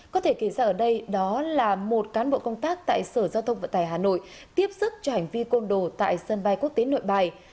có thể kể ra ở đây đó là một cán bộ công tác tại sở giao thông vận tải hà nội tiếp sức cho hành vi côn đồ tại sân bay quốc tế nội bài